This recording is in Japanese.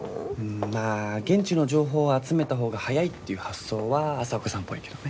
まあ現地の情報を集めた方が早いっていう発想は朝岡さんっぽいけどね。